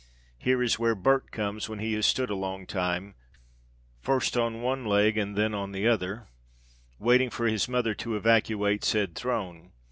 Here is where Bert comes when he has stood a long time, first on one leg and then on the other, waiting for his mother to evacuate said throne.